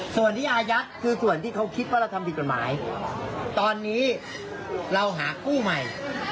ส่วนที่อายัดคือส่วนที่เขาคิดว่าเราทำผิดกฎหมายตอนนี้เราหากู้ใหม่